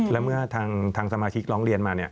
และเมื่อทางสมาชิกร้องเรียนมา